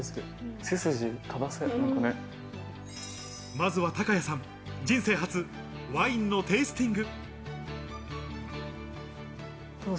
まずは梢哉さん、人生初、ワインのテイスティング。